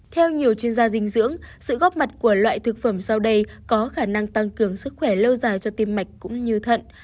theo nhiều chuyên gia dinh dưỡng sự góp mặt của loại thực phẩm sau đây có khả năng tăng cường sức khỏe lâu dài cho tiêm mạch cũng như thận